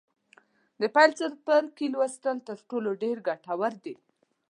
د پیل څپرکي لوستل تر ټولو ډېر ګټور دي.